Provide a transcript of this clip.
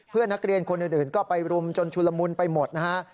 เพื่อนนักเรียนคนอื่นก็ไปรุมจนชุลมุนไปหมดนะฮะ